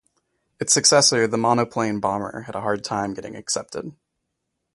Its successor, the monoplane bomber, had a hard time getting accepted.